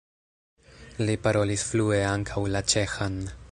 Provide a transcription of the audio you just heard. Li parolis flue ankaŭ la ĉeĥan.